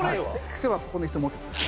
手はここの椅子持っててください。